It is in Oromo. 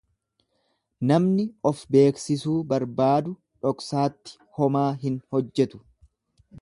Namni of beeksisuu barbaadu dhoksaatti homaa hin hojjetu.